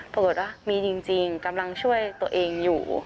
ปรากฏว่ามีจริงกำลังช่วยตัวเองอยู่